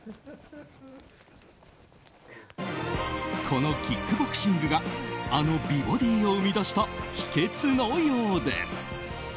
このキックボクシングがあの美ボディーを生み出した秘訣のようです。